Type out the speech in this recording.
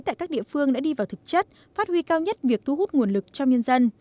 tại các địa phương đã đi vào thực chất phát huy cao nhất việc thu hút nguồn lực cho nhân dân